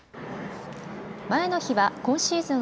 前の日は今シーズン